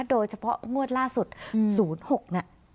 โดยเฉพาะงวดล่าสุด๐๖เนี่ย